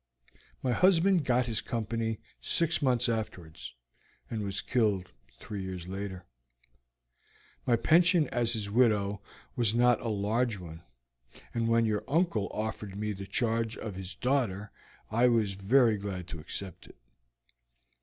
My husband got his company six months afterwards, and was killed three years later. My pension as his widow was not a large one, and when your uncle offered me the charge of his daughter I was very glad to accept it.